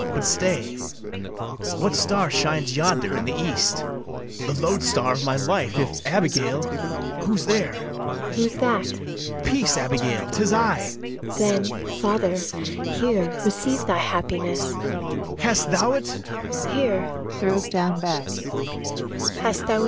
But stay: what star shines yonder in the east? The loadstar of my life, if Abigail. Who's there? ABIGAIL. Who's that? BARABAS. Peace, Abigail! 'tis I. ABIGAIL. Then, father, here receive thy happiness. BARABAS. Hast thou't? ABIGAIL. Here.[throws down bags] Hast thou't?